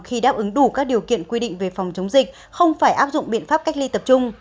khi đáp ứng đủ các điều kiện quy định về phòng chống dịch không phải áp dụng biện pháp cách ly tập trung